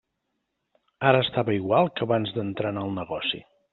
Ara estava igual que abans d'entrar en el negoci.